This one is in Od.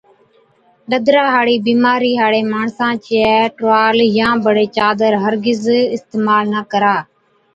ڏَدرا هاڙِي بِيمارِي هاڙي ماڻسا چَي ٽروال يان بڙي چادر هر گز اِستعمال نہ ڪرا۔